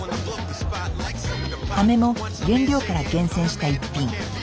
飴も原料から厳選した一品。